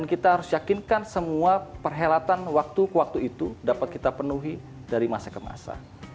kita harus yakinkan semua perhelatan waktu ke waktu itu dapat kita penuhi dari masa ke masa